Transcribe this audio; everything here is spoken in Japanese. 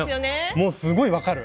もうすごい分かる。